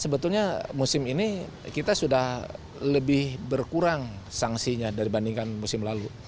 sebetulnya musim ini kita sudah lebih berkurang sanksinya dibandingkan musim lalu